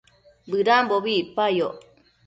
bëdambobi icpayoc